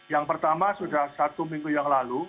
yang pertama sudah satu minggu yang lalu